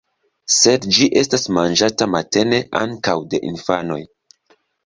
Sed ĝi estas manĝata matene ankaŭ de infanoj.